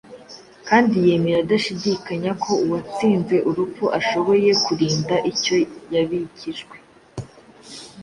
kandi yemera adashidikanya ko uwatsinze urupfu ashoboye kurinda icyo yabikijwe